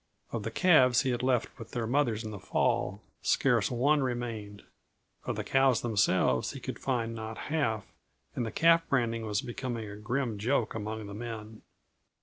Of the calves he had left with their mothers in the fall, scarce one remained; of the cows themselves he could find not half, and the calf branding was becoming a grim joke among the men.